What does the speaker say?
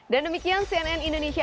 dan demikian cnn indonesia